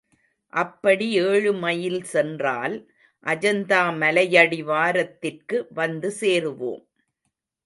அப்படி ஏழு மைல் சென்றால் அஜந்தா மலையடிவாரத்திற்கு வந்து சேருவோம்.